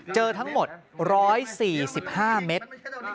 เจอทั้งหมด๑๔๕เมตร